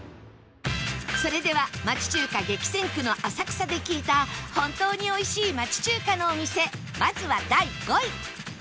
それでは町中華激戦区の浅草で聞いた本当に美味しい町中華のお店まずは第５位